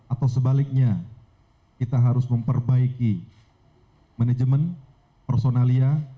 atau sebaliknya kita harus memperbaiki manajemen personalia